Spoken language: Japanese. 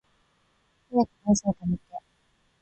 早く文章溜めて